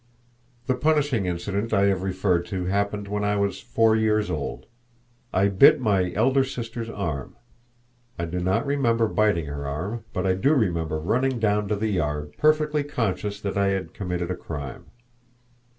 The punishing incident I have referred to happened when I was four years old. I bit my elder sister's arm. I do not remember biting her arm, but I do remember running down to the yard, perfectly conscious that I had committed a crime.